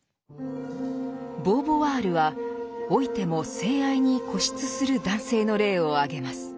ボーヴォワールは老いても性愛に固執する男性の例を挙げます。